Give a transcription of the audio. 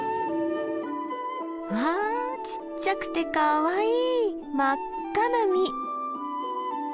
わあちっちゃくてかわいい真っ赤な実！